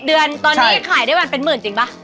เดือนตอนนี้ขายได้วันเป็นหมื่นจริงป่ะ